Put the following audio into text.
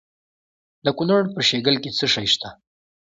د کونړ په شیګل کې څه شی شته؟